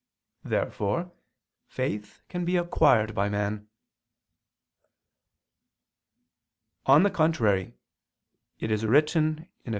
Therefore faith can be acquired by man. On the contrary, It is written (Eph.